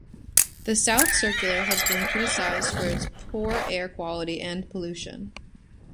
The South Circular has been criticised for its poor air quality and pollution.